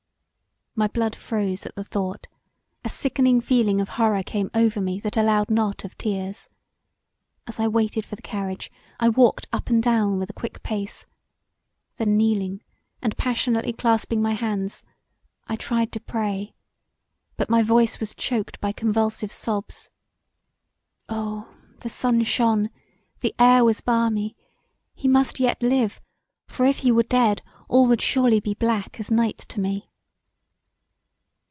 My blood froze at the thought: a sickening feeling of horror came over me that allowed not of tears. As I waited for the carriage I walked up and down with a quick pace; then kneeling and passionately clasping my hands I tried to pray but my voice was choked by convulsive sobs Oh the sun shone[,] the air was balmy he must yet live for if he were dead all would surely be black as night to me!